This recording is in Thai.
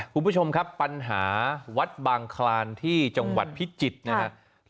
คุณผู้ชมครับปัญหาวัดบางคลานที่จังหวัดพิจิตรนะครับ